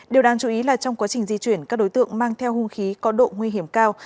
điều đáng chú ý là trong quá trình di chuyển các đối tượng mang theo hung khí có độ nguy hiểm cao